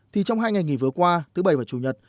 thì trong hai ngày nghỉ vừa qua thứ bảy và chủ nhật